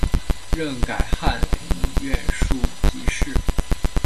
任改翰林院庶吉士。